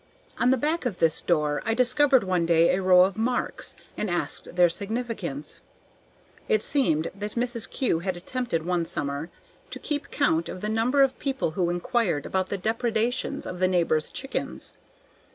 On the back of this door I discovered one day a row of marks, and asked their significance. It seemed that Mrs. Kew had attempted one summer to keep count of the number of people who inquired about the depredations of the neighbors' chickens.